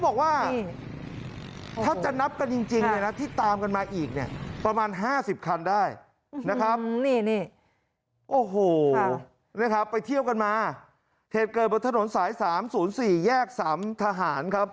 โอ้โหนี่ครับไปเที่ยวกันมาเทศเกินบนถนนสาย๓๐๔แยก๓ทหารครับ